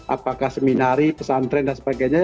apakah seminari pesantren dan sebagainya